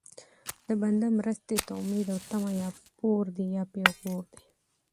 د بنده مرستې ته امید او طمع یا پور دی یا پېغور دی